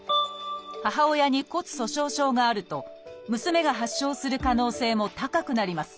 母親に骨粗しょう症があると娘が発症する可能性も高くなります。